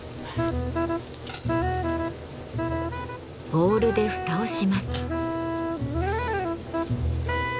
ボウルで蓋をします。